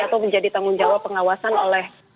atau menjadi tanggung jawab pengawasan oleh